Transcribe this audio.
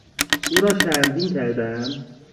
او را شرمگین کردم.